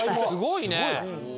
すごいね。